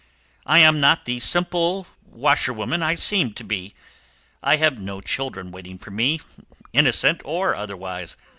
I am not the simple washerwoman I seem to be! I have no children waiting for me, innocent or otherwise!